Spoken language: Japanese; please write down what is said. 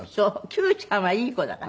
九ちゃんはいい子だから。